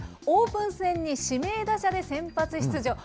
オープン戦に指名打者で先発出場。